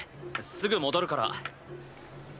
すぐ戻るから。